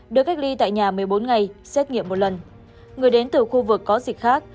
được cách ly tại nhà một mươi bốn ngày xét nghiệm một lần người đến từ khu vực có dịch khác